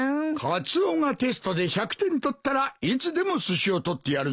カツオがテストで１００点取ったらいつでもすしを取ってやるぞ。